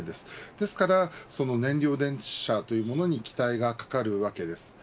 ですから、その燃料電池車というのに期待がかかるわけです。